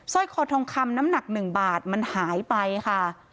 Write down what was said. ช้อยคอทองคำนะมหนักหนึ่งบาทมันหายไปค่ะ